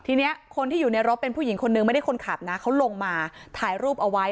ทีนี้คนที่อยู่ในรถเป็นผู้หญิงคนนึงไม่ได้คนขับนะเขาลงมาถ่ายรูปเอาไว้